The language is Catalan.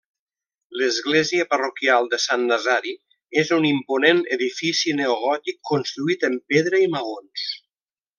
L'església parroquial de Sant Nazari és un imponent edifici neogòtic construït en pedra i maons.